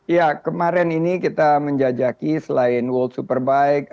ya kemarin ini kita menjajaki selain world superbike